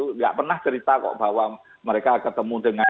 tidak pernah cerita kok bahwa mereka ketemu dengan